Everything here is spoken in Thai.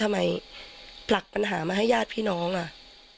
ผลักปัญหามาให้ญาติพี่น้องอ่ะ